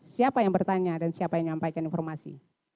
siapa yang bertanya dan siapa yang menyampaikan informasi